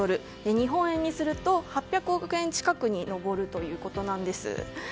日本円にすると８００億円近くに上るということなんです。